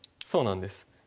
そうなんです。